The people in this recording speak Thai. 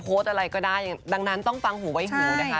อะไรก็ได้ดังนั้นต้องฟังหูไว้หูนะคะ